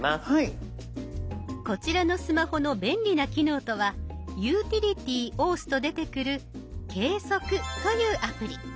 こちらのスマホの便利な機能とは「ユーティリティ」を押すと出てくる「計測」というアプリ。